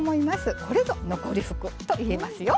これぞ残り福と言えますよ。